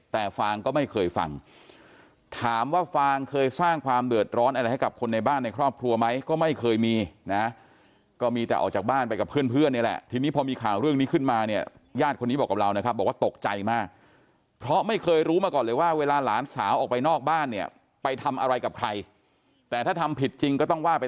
แต่ฟางก็ไม่เคยฟังถามว่าฟางเคยสร้างความเดือดร้อนอะไรให้กับคนในบ้านในครอบครัวไหมก็ไม่เคยมีนะก็มีแต่ออกจากบ้านไปกับเพื่อนนี่แหละทีนี้พอมีข่าวเรื่องนี้ขึ้นมาเนี่ยญาติคนนี้บอกกับเรานะครับบอกว่าตกใจมากเพราะไม่เคยรู้มาก่อนเลยว่าเวลาหลานสาวออกไปนอกบ้านเนี่ยไปทำอะไรกับใครแต่ถ้าทำผิดจริงก็ต้องว่าไป